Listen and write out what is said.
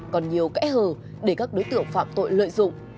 còn nhiều kẽ hở để các đối tượng phạm tội lợi dụng